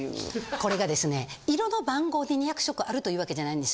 これがですね色の番号で２００色あるというわけじゃないんです。